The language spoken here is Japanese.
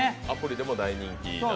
アプリでも大人気。